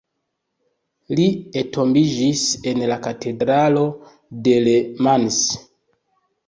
Li entombiĝis en la katedralo de Le Mans.